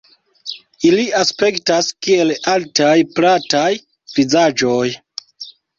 Ili aspektas kiel altaj plataj vizaĝoj.